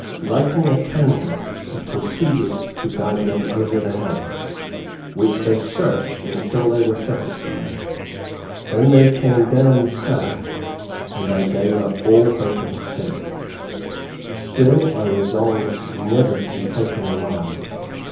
Lighting a candle, he proceeded to guide them over the house, which they searched until they were satisfied. They then came down cellar, and I gave up all hope of escape. Still, I resolved never to be taken alive.